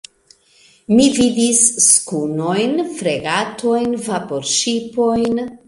Mi vidis skunojn, fregatojn, vaporŝipojn.